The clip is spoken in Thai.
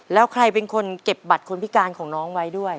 แล้วใครเป็นคนเก็บบัตรคนพิการของน้องไว้ด้วย